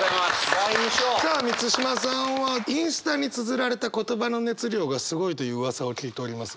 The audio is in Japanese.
第二章！さあ満島さんはインスタにつづられた言葉の熱量がすごいといううわさを聞いておりますが。